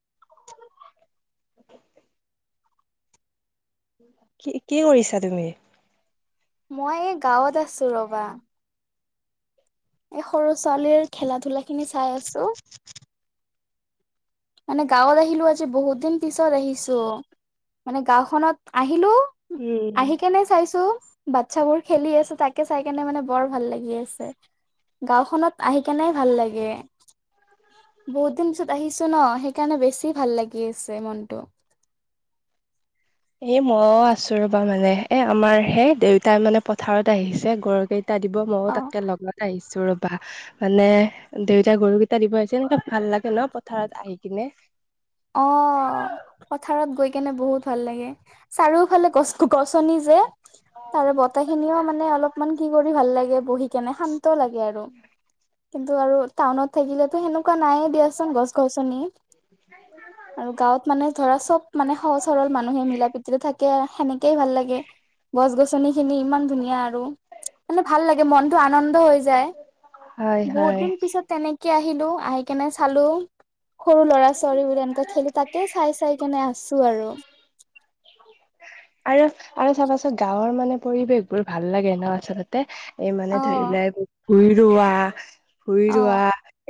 [unintelligible] কি কি কৰিছা তুমি মই এই গাঁৱত আছো ৰবা এ সৰু ছোৱালীৰ খেলা ধূলা খিনি চাই আছোঁ। মানে গাঁৱত আহিলো আজি বহুত দিন পিছত আহিছো মানে গাঁওখনত আহিলো উম, আহি কেনে চাইছো। বাচ্ছাবোৰ খেলি আছে তাকে চাই কেনে মানে বৰ ভাল লাগি আছে গাঁওখনত আহি কেনে ভাল লাগে। বহুত দিন পিছত আহিছো ন সেইকাৰণে বেছি ভাল লাগি আছে মনটো। এ মইও আছো ৰ'বা মানে এ আমাৰ হেই দেউতাই মানে পথাৰত আহিছে গৰুকেই। [inaudible] দিব ময়ো অ তাকে লগত আহিছোঁ ৰ'বা মানে দেউতাই গৰুকেইটা দিব আহিছে এনেকে ভাল লাগে ন পথাৰত আহি কিনে অ' পথাৰত গৈ কেনে বহুত ভাল লাগে চাৰিওফালে গছ গছনি যে তাৰে বতাহ খিনিও মানে অলপমান কি কৰি ভাল লাগে বহি কেনে শান্ত শান্ত লাগে আৰু কিন্তু আৰু টাউনত থাকিলেতো সেনেকুৱা নাইয়ে দিয়াচোন গছ গছনি নাই [inaudible] আৰু গাঁৱত মানে ধৰা চব মানে সহজ সৰল মানুহে মিলা প্ৰীত টো থাকে সেনেকেই ভাল লাগে গছ গছনি খিনি ইমান ধুনীয়া, আৰু মানে ভাল লাগে মনটো আনন্দ হৈ যা যাই হয় বহুত হয় দিন পিছত তেনেকে আহিলো আহি কেনে চালো, সৰু ল'ৰাছ চৰি বো এনকে খেলি তাকে চাই-চাই কেনে আছো আৰু। আৰু, আৰু চাবাচোন গাঁওৰ মানে পৰিবেশ বোৰ ভাল লাগে ন আচলতে এই মানে অ ধৰিলা ইবু- ভুই ৰোৱা, ৰুই অ ৰোৱা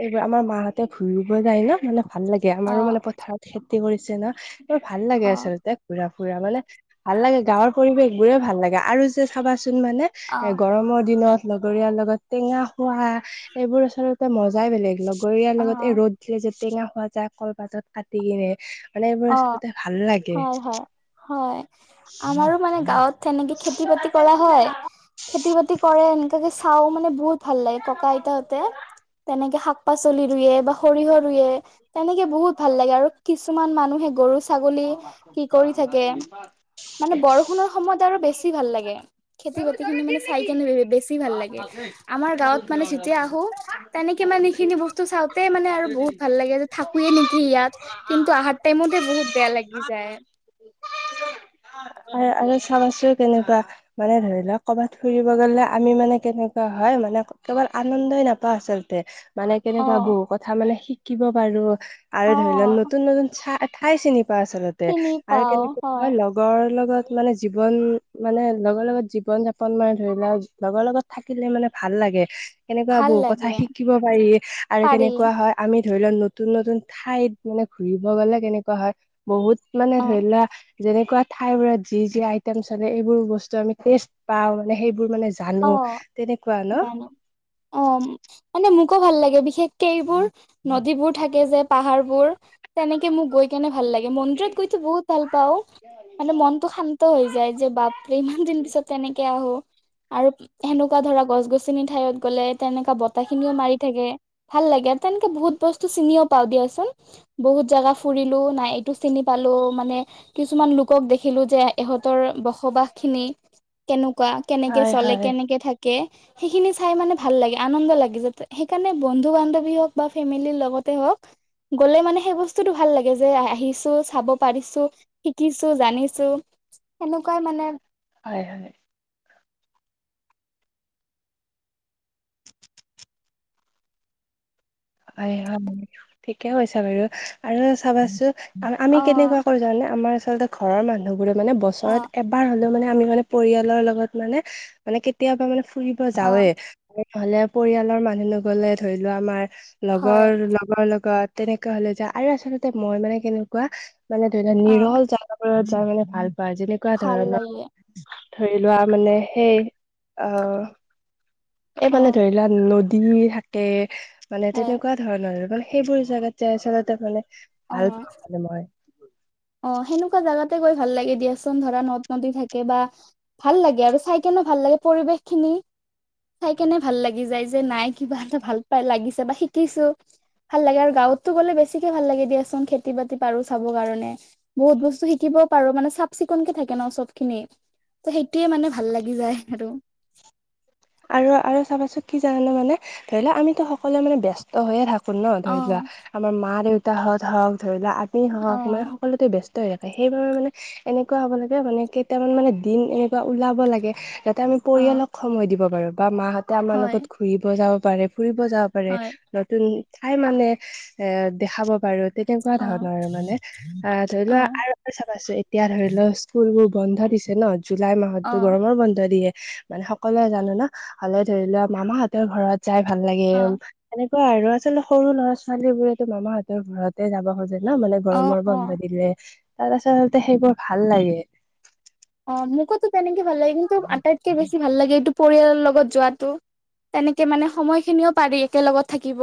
এইবোৰ আমাৰ মাহঁতে ভূই ৰুব যাই ন' মানে ভাল লাগে অ আমাৰো মানে পথাৰত খেতি কৰিছে না এ ভাল লাগে অ আচলতে। ঘুৰা-ফুৰা মানে ভাল লাগে গাঁৱৰ পৰিৱেশ বোৰে ভাল লাগে আৰু যে চাবাচোন মানে- অ এ গৰমৰ দিনত লগৰীয়াৰ লগত টেঙা খোৱা, এইবোৰ আচলতে মজাই বেলেগ ল গৰিয়াৰ লগত অ ৰ'দ দিলে যে টেঙা খোৱা যায় কলপাতত কাটি কিনে মানে এইবোৰ অ' আচলতে ভাল লাগে হয়-হয় হয়, আমাৰো মানে গাঁৱত তেনেকে খেতি-বাতি কৰা হয়। খেতি-বাতি কৰে এনেকাযে চাওঁ মানে বহুত ভাল লাগে ককা-আইতাহতে। তেনেকে শাক-পাচলি ৰুয়ে বা সৰিয়হ ৰুৱে। তেনেকে বহুত ভাল লাগে আৰু কিছুমান মানুহে গৰু ছাগলী কি কৰি থাকে, মানে বৰষুণৰ সময়ত আৰু বেছি ভাল লাগে। খেতি বাতি-খিনি মানে চাই কেনে বেছি ভাল লাগে। আমাৰ গাঁৱত মানে যেতিয়া আহো তেনেকে মানে এখিনি বস্তু চাওঁতেই মানে আৰু বহুত ভাল লাগে যে থাকোৱে নেকি ইয়াত কিন্তু আহা- তাইমতে বহুত বেয়া লাগি যায়! আৰু চাবাছো কেনেকুৱা- মানে ধৰি লওক কৰ'বাত ফুৰিব গলে আমি মানে কেনেকুৱা হয় মানে কেৱল আনন্দই নাপ- পা আচলতে মানে অ কেনেকুৱা বহু কথা মানে শিকিব পাৰো আৰু অ ধৰি লও নতুন-নতুন চা-ঠাই চিনি পাও আচলতে, চিনি আৰু পাও কেনেকে হয় তুমাৰ লগ ডৰ লগত মানে জীৱন মানে লগৰ লগত জীৱন-যাপন মানে ধৰি'লৱা লগৰ লগত থাকিলে মানে ভাল লাগে, তেনেকুৱা ভাল বহু কথা লাগে শিকিব পাৰি আৰু পাৰি কেনেকুৱা হয় আমি ধৰি লও নতুন-নতুন ঠাইত মানে ঘূৰিব গ'লে কেনেকুৱা হয় বহুত মানে অ ধৰিলৱা যেনেকুৱা ঠাই বোৰত যি-যি আইটেম চলে এইবোৰ বস্তু আমি টেষ্ট পাও মানে সেইবোৰ মানে অ জানো তেনেকুৱা ন? অ'ম মানে মোকো ভাল লাগে বিশেষকে এইবোৰ নদীবোৰ থাকে যে পাহাৰবোৰ তেনেকে মোক গৈ কেনে ভাল লাগে, মন্দিৰত গৈতো বহুত ভাল পাওঁ। মানে মনটো শান্ত হৈ যায় যে বাপ-ৰে ইমান দিন পিছত তেনেকে আহো। আৰু সেনেকুৱা ধৰা গছ-গছনিৰ ঠাইয়ত গলে তেনেকুৱা বতাহ খিনিও মাৰি থাকে ভাল লাগে আৰু তেনকে বহুত বস্তু চিনিও পাওঁ দিয়াচোন। বহুত জাগা ফুৰিলো নাই এইটো চিনি পালো মানে কিছুমান লোকক দেখিলো যে ইহঁতৰ বসবাস খিনি কেনেকুৱা কে- কে হয় চলে হয় কেনেকে থাকে সেইখিনি চাই মানে ভাল লাগে, আনন্দ লাগে যাতে সেইকাৰণে বন্ধু-বান্ধৱী হওঁক বা ফেমিলিৰ লগতে হওক গ'লে মানে সেই বস্তুটো ভাল লাগে যে আহিছো, চাব পাৰিছো শিকিছো, জানিছো সেনেকুৱাই মানে হয় হয়। হয় হয় ঠিকে কৈছা বাৰু আৰু চাবাছো অ আমি কেনেকুৱা কৰো জানে আমাৰ আচলতে ঘৰৰ মানুহবোৰে মানে অ বছৰত এব- বাৰ হলেও মানে আমি মানে পৰিয়ালৰ লগত মানে মানে কেতিয়াবা মানে ফুৰিব অ যাওৱে নহলে পৰিয়ালৰ মানুহ নগলে ধৰি লোৱা আমাৰ হয় লগৰ লগৰ লগত তেনেকুৱা হলে যে আৰু আচলতে মই মানে কেনেকুৱা মানে ধৰি লোৱা অ নিৰল জা তাৰ মানে ভাল পায় যেনেকুৱা ভাল ধৰণৰ লাগে ধৰি লোৱা মানে সেই অ এই অ মানে ধৰি লোৱা নদী থাকে মানে হয় তেনেকুৱা ধৰণৰ মানে সেইবোৰ জেগাত যাই আচলতে মানে অ ভাল পাওঁ মানে মই অ সেনেকুৱা জাগাতে গৈ ভাল লাগে দিয়াচোন ধৰা নদ নদী থাকে বা ভাল লাগে আৰু চাই কেনেো ভাল লাগে পৰিৱেশ খিনি চাই কেনে ভাল লাগি যায় যে নাই কিবা এটা ভাল পাই লাগিছে বা শিকিছো ভাল লাগে আৰু গাঁৱতো গ'লে বেছিকে ভাল লাগে দিয়াচোন খেতি বাতি পাৰো চাবৰ কাৰণে বহুত বস্তু শিকিবও পাৰো মানে চাফ চিকুণকে থাকে ন চব খিনি ত সেইটোয়ে মানে ভাল লাগি যায় আৰু আৰু আৰু চাবাচোন কি জানানে মানে ধৰি লও আমিতো সকলোৱে মানে বস্ত ত হৈয়ে থাকো ন অ ধৰি লোৱা আমাৰ মা দেউতাহত হওক ধৰি লোৱা আমি অ হওক মানে সকলো ব্যস্ত হৈ থাকে সেইবাবে মানে এনেকুৱা হ'ব লাগে মানে কেইটামানে দিন এনেকুৱা ওলাব যাতে আমি অ পৰিয়ালক সময় দিব পাৰো বা মাহতে আমাৰ হয় লগত ফুৰিব যাব পাৰে ফুৰিব যাব পাৰে হয় নতুন ঠাই মানে এ দেখাব পাৰো তেনেকুৱা অ', ধৰণৰ আৰু মানে আ ধৰি অ', লোৱা আৰু চাবা আছে এতিয়া ধৰি লোৱা স্কুল বোৰ বন্ধ দিছে ন জুলাই মাহতো অ', গৰমৰ বন্ধ দিয়ে মানে সকলোৱে জানো ন হালে ধৰি লোৱা মামাহঁতৰ ঘৰত যাই ভাল লাগে উ অ', এনেকুৱা আৰু আচলতে সৰু ল'ৰা ছোৱালী বোৰেতো মামাহঁতৰ ঘৰতে যাব খোজে ন মানে অ', গৰমৰ অ', বন্ধ দিলে তাৰ আচলতে সেইবোৰ ভাল লাগে অ মোকোতো তেনেকে ভাল লাগে কিন্তু আটাইতকে বেছি ভাল লাগে এইটো পৰিয়ালৰ লগত যোৱাটো তেনেকে মানে সময় খিনিও পাৰি একেলগত থাকিব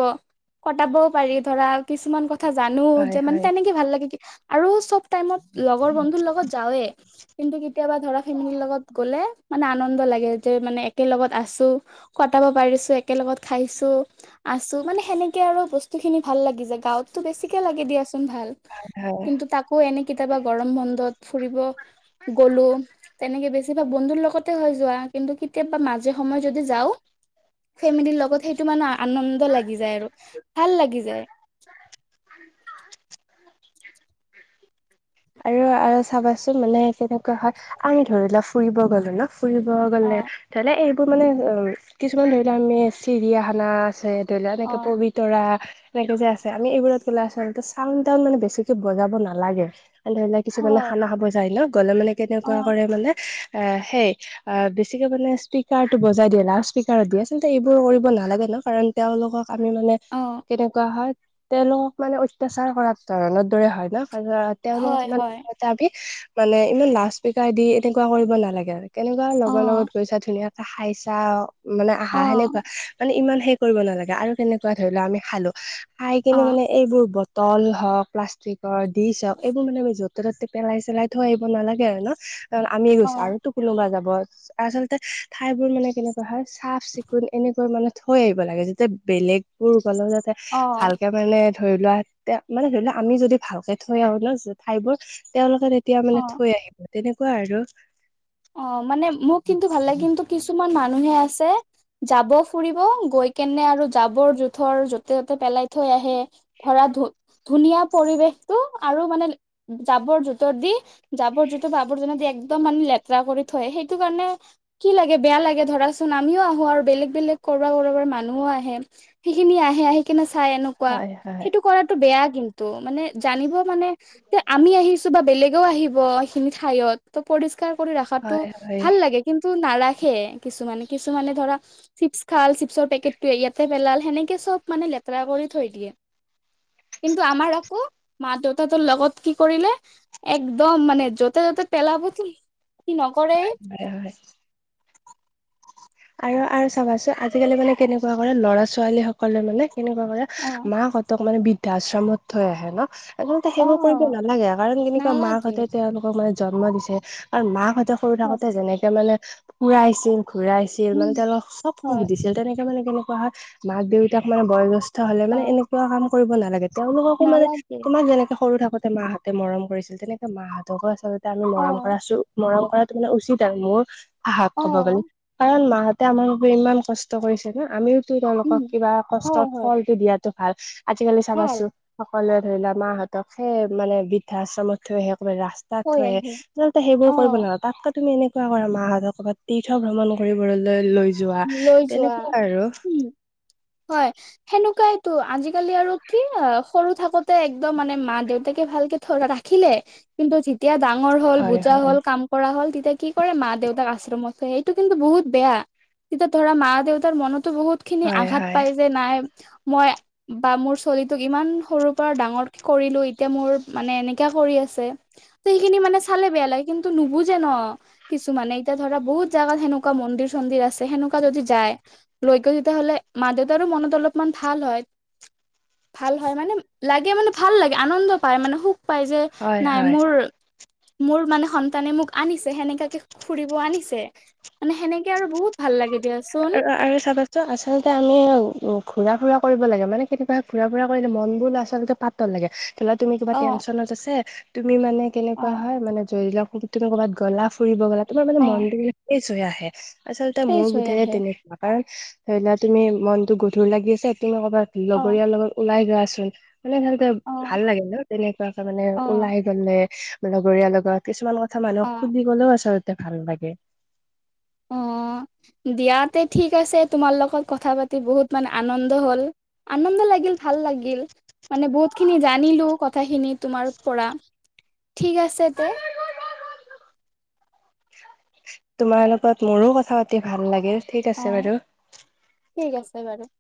কটাবও পাৰি ধৰা কিছুমান কথা কথা জানো যে হয় মানে হয় তেনেকে ভাল লাগে কি আৰু চব টাইমত লগৰ বন্ধুৰ লগত যাওৱে কিন্তু কেতিয়াবা ধৰা ফেমিলিৰ লগত গ'লে মানে আনন্দ লাগে যে মানে একেলগত আছো কটাব পাৰিছো একেলগত খাইছো আছো মানে সেনেকে আৰু বস্তু খিনি ভাল লাগি যায় গাঁৱতো বেছিকে লাগে দিয়াচোন ভাল হয় কিন্তু তাকো এনে কেতিয়াবা গৰম বন্ধত ফুৰিব গলো তেনেকে বেছিভাগ বন্ধুৰ লগতে হৈ যোৱা কিন্তু কেতিয়াবা মাজে সময় যদি যাও ফেমিলিৰ লগত সেইটো মানে আনন্দ লাগি যায় আৰু ভাল লাগি যায় [unintelligible] আৰু আৰু চাবাচোন মানে কেনেকুৱা হয় আমি ধৰি লোৱা ফুৰিব গলো ন ফুৰিব অ গ'লে ধৰি ল এইবোৰ মানে অ কিছুমান ধৰি লোৱা আমি চিৰিয়াখানা আছে অ এনেকে পৰি ধৰা এনেকে যে আছে আমি এইবোৰত গলে আচলতে চাউন তাউন মানে বেছিকে বজাব নালাগে ধৰি লোৱা কিছুমানে হয় খানা খাব যায় ন গ'লে মানে অ কেনেকুৱা কৰে মানে এ সেই অ বেছিকে মানে স্পীকাৰটো বজাই দিয়ে লাউড স্পীকাৰত দিয়ে আচ এইবোৰ কৰিব নালাগে ন কাৰণ তেওঁলোকক আমি মানে অঁ কেনেকুৱা হয় তেওঁলোকক মানে অত্যাচাৰ কৰা ধৰণৰ দৰে হয় ন তেওঁলোকক হয় মানে হয় কি মানে ইমান লাউড স্পিকাৰ দি এনেকুৱা কৰিব নালাগে আৰু কেনেকুৱা অ লগৰ লগত গৈছা ধুনীয়াকে খাইছা মানে আহা অ সেনেকুৱা মানে ইমান শেষ কৰিব নালাগে আৰু কেনেকুৱা ধৰি লোৱা আমি খালো খাই অ কিনে মানে এইবোৰ ব তল হওক প্লাষ্টিকৰ ডিচ্ হওক - এইবোৰ মানে পায় যত - ত ততে পেলাই চেলাই থৈ আহিব নালাগে আৰু ন, আমি অ গৈছো আৰুতো কোনোবা যাব। আচলতে ঠাই বোৰ মানে কেনেকুৱা হয় চাফ চিকুণ এনেকৈ মানে থৈ আহিব লাগে, যাতে বেলেগ - কোনো গলো যাতে ভালকে মানে ধৰি লোৱা তে মানে ধৰি লোৱা আমি যদি ভালকে থৈ আহো - ন ঠাইবোৰ তেওঁলোকে তেতিয়া অ মানে অ থৈ আহিব তেনেকুৱা আৰু। অ মানে মোক কিন্তু ভাল লাগে কিন্তু কিছুমান মানুহে আছে - যাব ফুৰিব গৈ কেনে আৰু জাবৰ জোথৰ য'তে ত'তে পেলাই থৈ আহে। ধৰা ধু ধুনীয়া পৰিৱেশটো আৰু মানে লে - জাৱৰ জোঠৰ দি জাৱৰ জোঠৰ আৱৰ্জনাৰ দি একদম মানে লে - তেৰা কৰি থয়, সেইটো কাৰণে - কি লাগে বেয়া লাগে ধৰাচোন আমিও আহো আৰু বেলেগ বেলেগ কৰবাৰ কৰবাৰ মানুহও আহে। সেইখিনি আহে আহি কেনে চাই এনেকুৱা, হয় হয় সেইটো কৰাটো বেয়া কিন্তু। ত' মানে জানিব মানে যে আমি আহিছো বা বেলেগেও আহিব এইখিনি ঠাইয়ত। ত পৰিষ্কাৰ কৰি ৰাখাটো হয় হয় হয়। ভাল লাগে কিন্তু নাৰাখে কিছুমানে কিছুমানে ধৰা - চিপছ খাল চিপছৰ পেকেটোৱে ইয়াতে পেলাল সেনেকে চব মানে লেতেৰা কৰি থৈ দিয়ে। কিন্তু আমাৰ আকৌ মা দেউতা তৰ লগত কি কৰিলে - একদম মানে য'তে য'তে পেলাব সেই - সি নকৰেই - হয় হয়। আৰু আৰু চাবাচো আজিকালি মানে কেনেকুৱা কৰে ল'ৰা ছোৱালী সকলে মানে - কেনেকুৱা কৰে অ মাহঁতক মানে বৃদ্ধাশ্ৰমত থৈ আহে ন - আচলতে সেইবোৰ কৰিব অ নালাগে কাৰণ কেনেকুৱা নালাগে মাকাহঁতে তেওঁলোকক মানে জন্ম দিছে কাৰণ মাকহঁতক - সৰু হয় থাকোতে যেনেকে মানে ফুৰাইছিল ঘুৰাইছিল - তেওঁ উম মানে তেওঁলোক চব সুখ হয় দিছিল, তেনেকে মানে কেনেকুৱা হয় মাক-দেউতাক মানে বয়সজেষ্ট - ষ্ট হলে অ মানে এনেকুৱা কাম কৰিব নালাগে, তেওঁলোককো মানে নালাগে তোমাক যেনেকে সৰু থাকোতে মাহঁতে - তে মৰম কৰিছোঁ, তেনেকে মাহঁতকো আচলতে আমি অ মৰম কৰাছো, মৰম কৰাটো মানে উচিত আৰু মোৰ - সাহস অ কব গ'লি কাৰণ মাহঁতে আমাৰ ইমান কষ্ট কৰিছে ন', আমিও - ত উম তেওঁলোকক কিবা হয় কষ্টৰ হয় ফলটো দিয়াটো ভাল, আজিকালি ভাল চাবাচোন - সকলোৱে ধৰি লোৱা মাহঁতক সেই মানে বৃদ্ধাশ্ৰমত থৈ আহে কবাত ৰাস- তাত হৈ থয়ে আহে আচলতে সেইবোৰ অ কৰিব নালাগে, তাতকৈ তুমি এনেকুৱা কৰা মাহঁতৰ ক'ৰবাত তীৰ্থ ভ্ৰমণ - কৰিবলৈ লৈ যোৱা, লৈ যোৱা তেনেকুৱা আৰু। উম হয়। সেনেকুৱাইতো, আজিকালি আৰু কি সৰু থাকোতে একদম মানে মা-দেউতাকে ভালকে - থ ৰাখিলে কিন্তু যেতিয়া ডাঙৰ হ'ল হয় বুজা হয় হ'ল কাম - কৰা হ'ল, তেতিয়া কি কৰে মা-দেউতাক আশ্ৰমত থৈ আহে, সেইটো কিন্তু বহুত বেয়া। তেতিয়া ধৰা মা-দেউতাৰ মনতো বহুত খিনি হয় আঘাত হয় পায় যায়, নাই মই - বা মোৰ ছোৱালীটোক ইমান সৰুৰ পৰা ডাঙৰ কৰিলো, এতিয়া মোৰ মানে এনেকুৱা কৰি আছে। টো সেইখিনি মানে চালে বেয়া লাগে কিন্তু নুবুজে ন'। কিছুমানে এতিয়া ধৰা বহুত জাগাত সেনেকুৱা মন্দিৰ-চন্দিৰ আছে - সেনেকুৱা যদি যায়, লৈ গৈ তেতিয়া হ'লে মাঁ-দেউতাৰো মনত অলপ ভাল হয়। ভাল হয় মানে লাগে মানে ভাল লাগে আনন্দ পায় মানে সুখ পায় যে হয় নাই হয় মোৰ - মোৰ মানে সন্তানে মোক আনিছে সেনেকাকে ফুৰিব আনিছে - মানে সেনেকে আৰু বহুত - ভাল লাগে দিয়ক। আৰু আৰে চাবা ত আচলতে আমি উ ঘূৰা-ফুৰা কৰিব লাগে, মানে কেতিয়াবা ঘূৰা-ফুৰা কৰিলে মনবোৰ আচলতে পাতল লাগে। ধৰি লোৱা তুমি কিবা অ টেনশ্যনত আছে, তুমি মানে অ কেনেকুৱা হয় মানে [unintelligible] তুমি ক'ৰবাত গ'লা ফুৰিব গলা তোমাৰ মানে অ মনটো ফ্ৰেছ হৈ আহে আচলতে ফ্ৰেছ মোৰ হৈ বোধেৰে আহে আকাৰেণ ধৰি লোৱা তুমি মনটো গধুৰ লাগিছে তুমি কৰ'বাত অ লগৰীয়াৰ লগত ওলাই যোৱাচোন মানে হেলটেব অ ভাল লাগে ন তেনেকুৱাকে মানে অ ওলাই গ'লে। লগৰীয়া লগত কিছুমান কথা অ মানুহক সুধিবলো আচলতে ভাল লাগে। অ দিয়াতে ঠিক আছে তোমাৰ লগত কথা পাতি বহুত মান আনন্দ হ'ল। আনন্দ লাগিল ভাল লাগিল। মানে বহুতখিনি জানিলো কথাখিনি তোমাৰ পৰা ঠিক আছে তে। তোমাৰ লগত মোৰো কথা পাতি ভাল লাগিল। ঠিক অ আছে বাৰু। ঠিক আছে বাৰু।